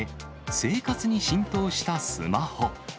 生活に浸透したスマホ。